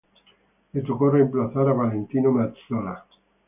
Le tocó reemplazar a Valentino Mazzola.